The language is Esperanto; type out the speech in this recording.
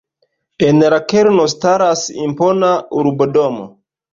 En la kerno staras impona urbodomo.